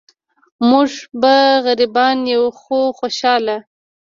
مونږ به غریبان یو خو خوشحاله.